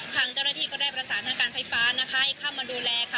ทางเจ้าหน้าที่ก็ได้ประสานทางการไฟฟ้านะคะให้เข้ามาดูแลค่ะ